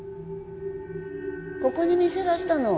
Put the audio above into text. ここに店出したの？